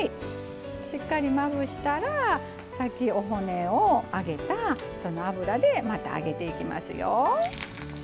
しっかりまぶしたらさっきお骨を揚げたその油でまた揚げていきますよ。